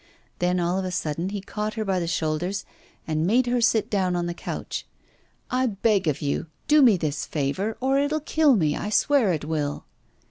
Then all of a sudden he caught her by the shoulders, and made her sit down on the couch. 'I beg of you, do me this favour, or it'll kill me, I swear it will.